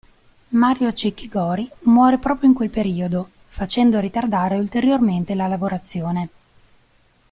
Mario Cecchi Gori muore proprio in quel periodo, facendo ritardare ulteriormente la lavorazione.